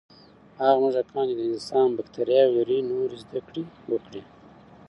هغه موږکان چې د انسان بکتریاوې لري، نوې زده کړې وکړې.